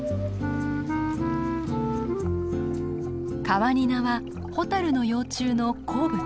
カワニナはホタルの幼虫の好物。